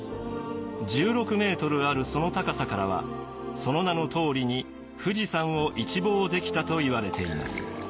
１６メートルあるその高さからはその名のとおりに富士山を一望できたといわれています。